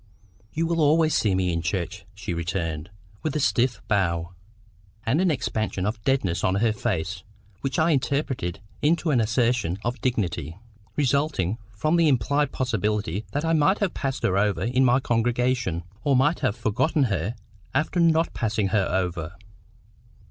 "You will always see me in church," she returned, with a stiff bow, and an expansion of deadness on her face, which I interpreted into an assertion of dignity, resulting from the implied possibility that I might have passed her over in my congregation, or might have forgotten her after not passing her over.